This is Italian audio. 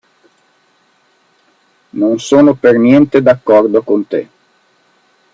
Non sono per niente d'accordo con te.